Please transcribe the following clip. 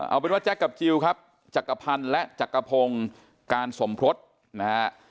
เอาเป็นว่าแจ๊คกับจิลครับจักรพันธ์และจักรพงศ์การสมพฤษนะฮะ